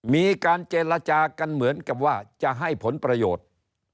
มีการเจรจากันเหมือนกับว่าจะให้ผลประโยชน์